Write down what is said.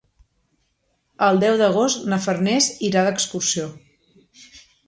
El deu d'agost na Farners irà d'excursió.